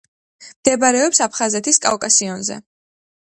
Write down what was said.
მდებარეობს აფხაზეთის კავკასიონზე.